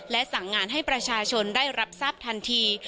และสั่งงานให้ประชาชนได้รับทราบทันที